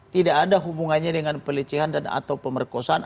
tidak ada hubungannya dengan pelecehan dan atau pemerkosaan